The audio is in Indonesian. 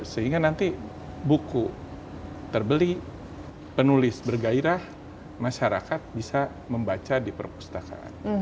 sehingga nanti buku terbeli penulis bergairah masyarakat bisa membaca di perpustakaan